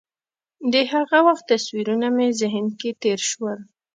د هغه وخت تصویرونه مې ذهن کې تېر شول.